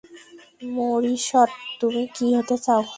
মরিসট, তুমি কী হতে চাও?